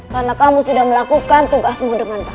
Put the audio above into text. karena kamu sudah melakukan tugasmu dengan baik